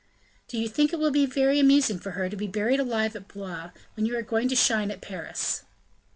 "Do you think it will be very amusing for her to be buried alive at Blois, when you are going to shine at Paris?"